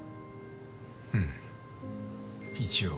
うん一応。